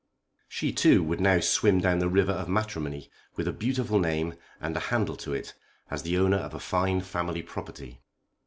She, too, would now swim down the river of matrimony with a beautiful name, and a handle to it, as the owner of a fine family property.